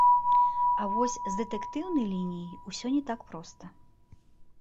А вось з дэтэктыўнай лініяй усё не так проста.